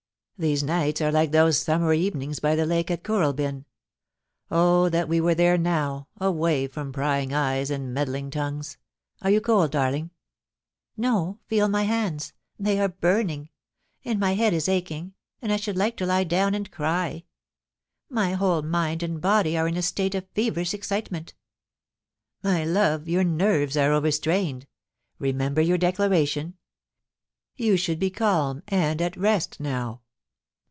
* These nights are not like those summer evenings by the ' lake at Kooralbyn — oh that we were there now, away from prying eyes and meddling tongues ! Are you cold, darling ?'' No, feel my hands ; they are burning ; and my head is aching, and I should like to lie down and cry. My whole mind and body are in a state of feverish excitement.' * My love, your nerves are overstrained. Remember your declaration. You should be calm and at rest now.'